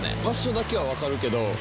場所だけは分かるけど。